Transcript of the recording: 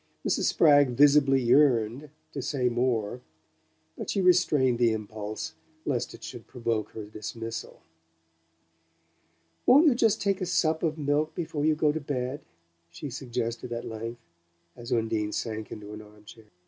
Mrs. Spragg visibly yearned to say more, but she restrained the impulse lest it should provoke her dismissal. "Won't you take just a sup of milk before you go to bed?" she suggested at length, as Undine sank into an armchair.